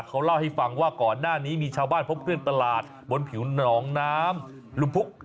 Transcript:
เขาเล่าให้ฟังว่าก่อนหน้านี้มีชาวบ้านพบเครื่องตลาดบนผิวหนองน้ำลุมพุก